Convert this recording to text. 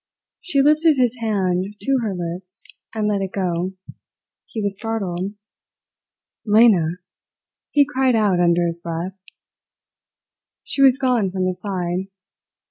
She lifted his hand to her lips and let it go. He was startled. "Lena!" he cried out under his breath. She was gone from his side.